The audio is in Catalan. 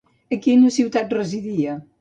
A quina ciutat residida?